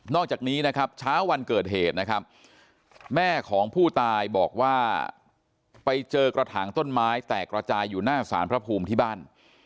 อกจากนี้นะครับเช้าวันเกิดเหตุนะครับแม่ของผู้ตายบอกว่าไปเจอกระถางต้นไม้แตกระจายอยู่หน้าสารพระภูมิที่บ้าน